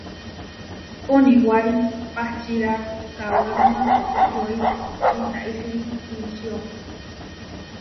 Koniwári pahčíra kawéruma iʼyói witaísiri ičió.